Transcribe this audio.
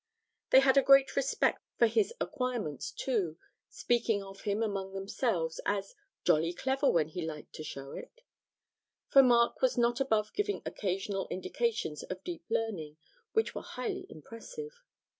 They had a great respect for his acquirements too, speaking of him among themselves as 'jolly clever when he liked to show it'; for Mark was not above giving occasional indications of deep learning which were highly impressive.